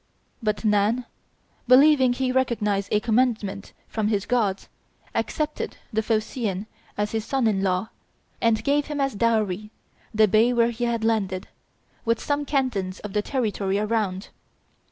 But Nann, believing he recognized a commandment from his gods, accepted the Phocean as his son in law, and gave him as dowry the bay where he had landed, with some cantons of the territory around.